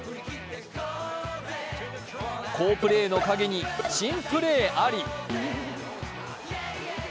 好プレーの陰に珍プレーあり。